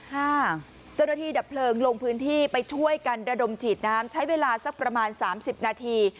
เจ้าหน้าที่ดับเพลิงลงพื้นที่ไปช่วยกันระดมฉีดน้ำใช้เวลาสักประมาณ๓๐นาที